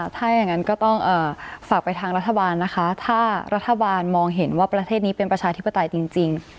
ถ้าอย่างนั้นก็ต้องฝากไปทางรัฐบาลนะคะถ้ารัฐบาลมองเห็นว่าประเทศนี้เป็นประชาธิปไตยจริง